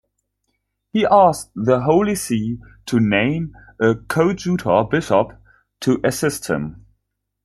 He asked the Holy See to name a coadjutor bishop to assist him.